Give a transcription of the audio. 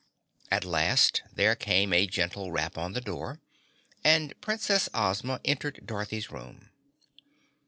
At last there came a gentle rap on the door, and Princess Ozma entered Dorothy's room.